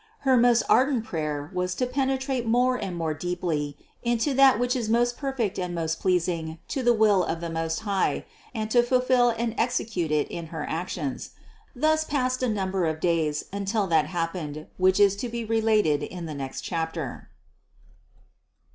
Her most ardent prayer was to penetrate more and more deeply into that which is most perfect and most pleas ing to the will of the Most High, and to fulfill and exe cute it in her actions. Thus passed a number of days, until that happened, which is to be related in the next chapter.